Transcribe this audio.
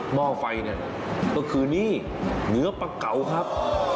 หม้อไฟเนี่ยก็คือนี่เนื้อปลาเก๋าครับ